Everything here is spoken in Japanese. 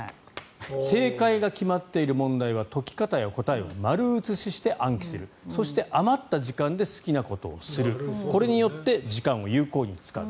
正解が決まっている問題は解き方や答えを丸写しして暗記するそして余った時間で好きなことをするこれによって時間を有効に使う。